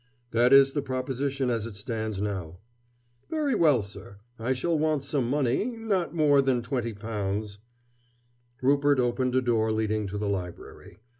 "That is the proposition as it stands now." "Very well, sir. I shall want some money not more than twenty pounds " Rupert opened a door leading to the library.